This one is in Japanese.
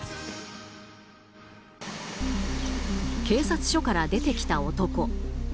警察署から出てきた男。